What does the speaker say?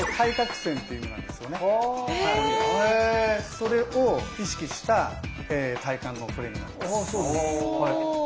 それを意識した体幹のトレーニングになります。